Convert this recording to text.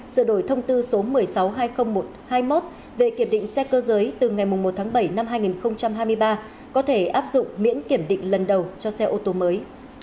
sự đổi thông tư số một mươi sáu hai nghìn hai mươi một về kiểm định xe cơ giới từ ngày một tháng bảy năm hai nghìn hai mươi ba có thể áp dụng miễn kiểm định lần đầu cho xe ô tô mới